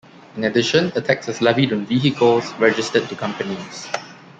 In addition a tax is levied on vehicles registered to companies.